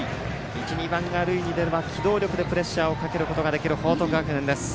１、２番が塁に出れば機動力でプレッシャーをかけることができる報徳学園です。